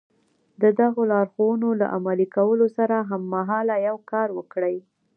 د دغو لارښوونو له عملي کولو سره هممهاله يو کار وکړئ.